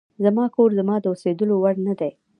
زما کور زما د اوسېدلو وړ نه دی.